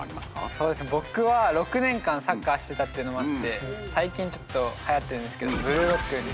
僕は６年間サッカーしてたっていうのもあって最近ちょっとはやってるんですけど「ブルーロック」に。